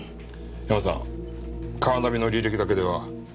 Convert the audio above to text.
ヤマさんカーナビの履歴だけでは令状は出ないぞ。